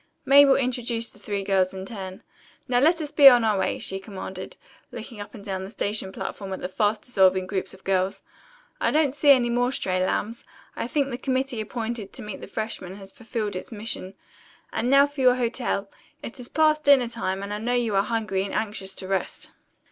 Mabel introduced the three girls in turn. "Now let us be on our way," she commanded, looking up and down the station platform at the fast dissolving groups of girls. "I don't see any more stray lambs. I think the committee appointed to meet the freshmen has fulfilled its mission. And now for your hotel. It is past dinner time and I know you are hungry and anxious to rest."